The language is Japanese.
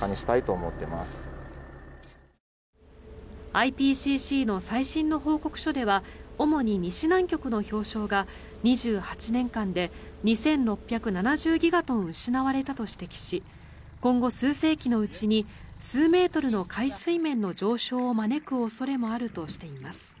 ＩＰＣＣの最新の報告書では主に西南極の氷床が２８年間で２６７０ギガトン失われたと指摘し今後数世紀のうちに数メートルの海水面の上昇を招く恐れもあるとしています。